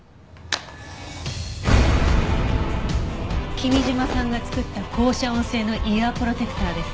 君嶋さんが作った高遮音性のイヤープロテクターです。